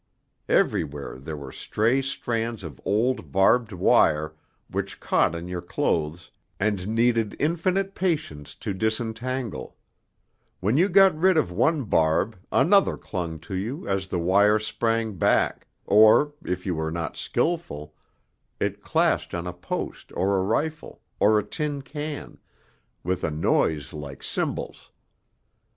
Everywhere there were stray strands of old barbed wire which caught in your clothes and needed infinite patience to disentangle; when you got rid of one barb another clung to you as the wire sprang back, or, if you were not skilful, it clashed on a post or a rifle, or a tin can, with a noise like cymbals.